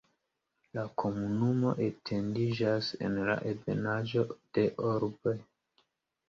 La komunumo etendiĝas en la ebenaĵo de Orbe.